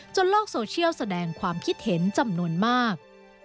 โลกโซเชียลแสดงความคิดเห็นจำนวนมาก